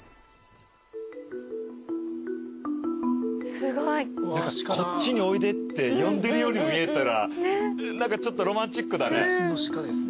すごい。何かこっちにおいでって呼んでるように見えたら何かちょっとロマンチックだね。